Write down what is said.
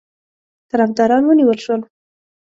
طرفداران ونیول شول.